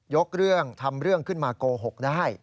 เรื่องทำเรื่องขึ้นมาโกหกได้